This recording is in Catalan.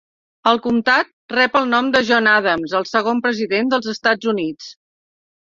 El comtat rep el nom de John Adams, el segon president dels Estats Units.